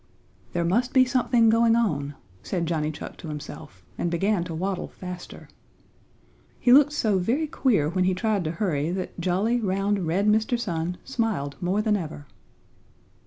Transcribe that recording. "There must be something going on," said Johnny Chuck to himself, and began to waddle faster. He looked so very queer when he tried to hurry that jolly round, red Mr. Sun smiled more than ever.